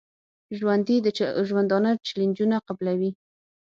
ژوندي د ژوندانه چیلنجونه قبلوي